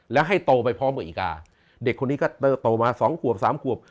แล้วให้โตไปพร้อมกับอีกาเด็กคนนี้ก็โตมาสองขวบสามขวบ